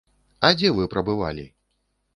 А дзе вы прабывалі?